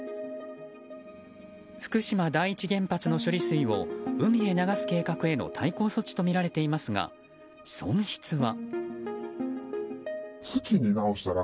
福島第一原発の処理水を海へ流す計画への対抗措置とみられていますが損失は。